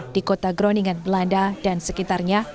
di kota groningan belanda dan sekitarnya